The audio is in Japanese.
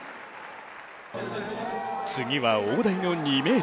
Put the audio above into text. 次は大台の２ｍ。